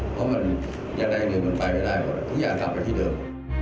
อย่างไรหนึ่งมันตายไม่ได้ทุกอย่างสามารถอย่างที่เดิม